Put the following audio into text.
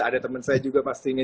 ada teman saya juga pastinya